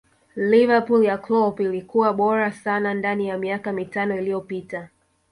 liverpool ya Kloop ilikuwa bora sana ndani ya miaka mitano iliyopita